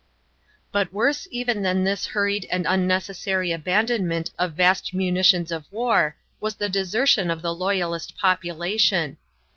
But worse even than this hurried and unnecessary abandonment of vast munitions of war was the desertion of the loyalist population.